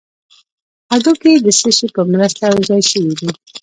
هډوکي د څه شي په مرسته یو ځای شوي دي